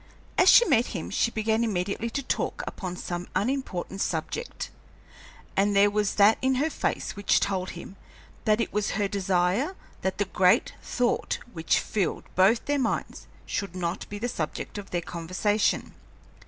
As she met him she began immediately to talk upon some unimportant subject, and there was that in her face which told him that it was her desire that the great thought which filled both their minds should not be the subject of their conversation.